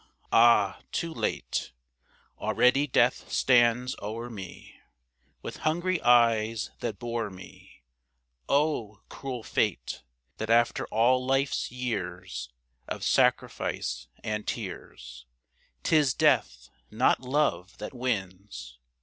Ah, too late! Already Death stands o'er me With hungry eyes that bore me O cruel fate, That after all life's years Of sacrifice and tears, 'Tis Death, not Love, that wins.